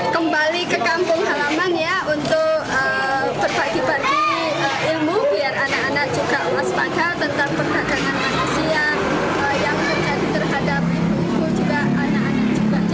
kembali ke kampung halaman ya untuk berbagi bagi ilmu biar anak anak juga waspada tentang perdagangan manusia yang terjadi terhadap ibu ibu juga anak anak juga